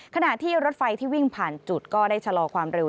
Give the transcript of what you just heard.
ขณะที่รถไฟที่วิ่งผ่านจุดก็ได้ชะลอความเร็ว